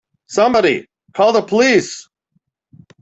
Somebody call the police!